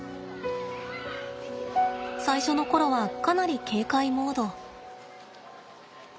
最初の頃はかなり警戒モード。